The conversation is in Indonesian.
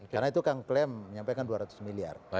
karena itu kan klaim menyampaikan dua ratus miliar